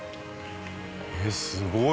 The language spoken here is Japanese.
えっすごい！